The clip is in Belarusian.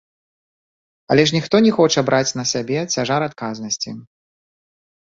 Але ж ніхто не хоча браць на сябе цяжар адказнасці.